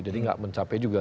jadi gak mencapai juga